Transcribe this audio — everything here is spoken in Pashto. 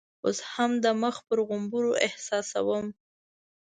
اوس هم د مخ پر غومبرو احساسوم.